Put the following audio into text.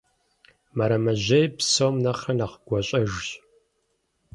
Мэрэмэжьейр псом нэхърэ нэхъ гуащӀэжщ.